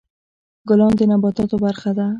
ګلان د نباتاتو برخه ده.